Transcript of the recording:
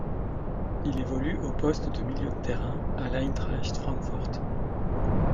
Il évolue au poste de milieu de terrain à l'Eintracht Francfort.